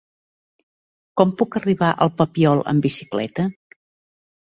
Com puc arribar al Papiol amb bicicleta?